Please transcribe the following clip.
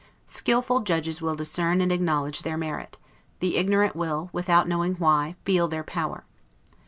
Skillful judges will discern and acknowledge their merit; the ignorant will, without knowing why, feel their power.